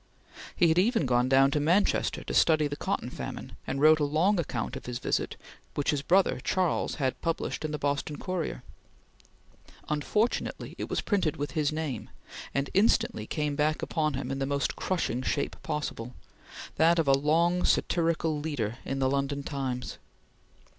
He had even gone down to Manchester to study the cotton famine, and wrote a long account of his visit which his brother Charles had published in the Boston Courier. Unfortunately it was printed with his name, and instantly came back upon him in the most crushing shape possible that of a long, satirical leader in the London Times.